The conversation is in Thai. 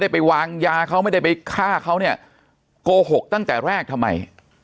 ไปวางยาเขาไม่ได้ไปฆ่าเขาเนี่ยโกหกตั้งแต่แรกทำไม